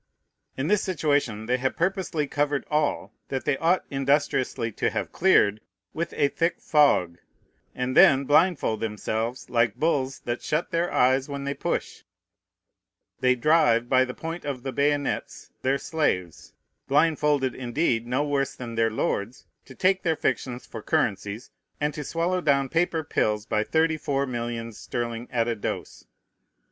In this situation they have purposely covered all, that they ought industriously to have cleared, with a thick fog; and then, blindfold themselves, like bulls that shut their eyes when they push, they drive, by the point of the bayonets, their slaves, blindfolded indeed no worse than their lords, to take their fictions for currencies, and to swallow down paper pills by thirty four millions sterling at a dose.